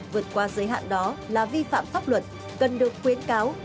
vượt qua giới hạn đó là vi phạm pháp luật cần được khuyến cáo